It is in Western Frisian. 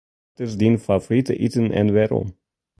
Wat is dyn favorite iten en wêrom?